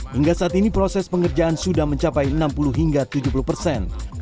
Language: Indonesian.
hingga saat ini proses pengerjaan sudah mencapai enam puluh hingga tujuh puluh persen